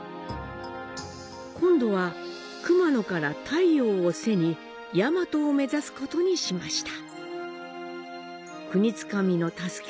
今度は、熊野から太陽を背に大和を目指すことにしました。